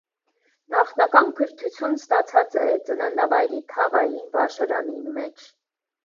Նախնական կրթութիւնն ստացած է ծննդավայրի թաղային վարժարանին մէջ։